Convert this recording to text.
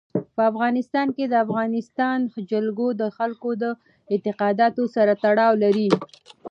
په افغانستان کې د افغانستان جلکو د خلکو د اعتقاداتو سره تړاو لري.